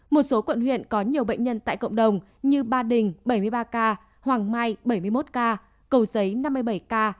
một số quận huyện có nhiều bệnh nhân tại cộng đồng như ba đình bảy mươi ba ca hoàng mai bảy mươi một ca cầu giấy năm mươi bảy ca